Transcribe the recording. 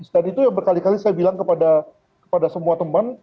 dan itu yang berkali kali saya bilang kepada semua teman